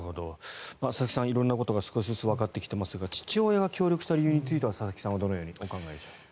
佐々木さん、色んなことが少しずつわかってきていますが父親が協力した理由については佐々木さんはどのようにお考えでしょう。